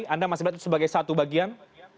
anda masih melihat itu sebagai satu bagian